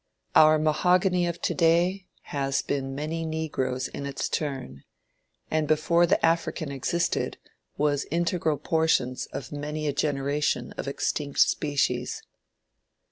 Our mahogany of to day has been many negroes in its turn, and before the African existed, was integral portions of many a generation of extinct species."